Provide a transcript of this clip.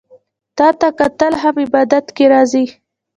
تاته کتل هم عبادت کی راځي